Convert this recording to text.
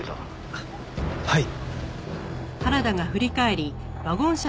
あっはい。